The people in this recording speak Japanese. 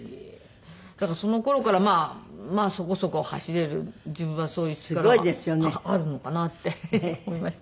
だからその頃からまあそこそこ走れる自分はそういう力があるのかなって思いました。